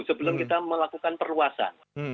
sebelum kita melakukan perluasan